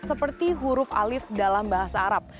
seperti huruf alif dalam bahasa arab